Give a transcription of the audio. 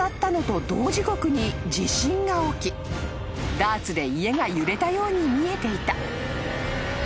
［ダーツで家が揺れたように見えていた］